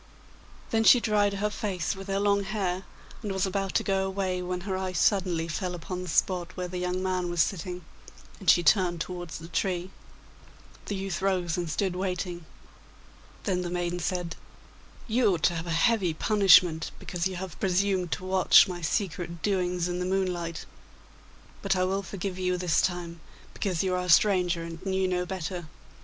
Then she dried her face with her long hair, and was about to go away, when her eye suddenly fell upon the spot where the young man was sitting, and she turned towards the tree. The youth rose and stood waiting. Then the maiden said, 'You ought to have a heavy punishment because you have presumed to watch my secret doings in the moonlight. But I will forgive you this time, because you are a stranger and knew no better.